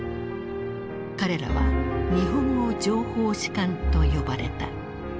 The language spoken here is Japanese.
彼らは「日本語情報士官」と呼ばれた。